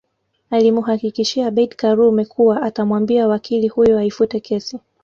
Alimuhakikishia Abeid Karume kuwa atamwambia wakili huyo aifute kesi